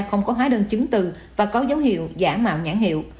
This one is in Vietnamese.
không có hóa đơn chứng từ và có dấu hiệu giả mạo nhãn hiệu